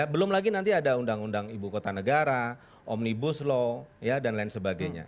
belum lagi nanti ada undang undang ibu kota negara omnibus law dan lain sebagainya